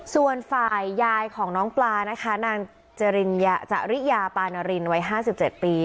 ส่วนฝ่ายยายของน้องปลานะคะนางเจริญจะริยาปลานรินไว้ห้าสิบเจ็ดปี